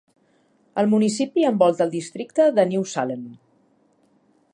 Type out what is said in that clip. El municipi envolta el districte de New Salem.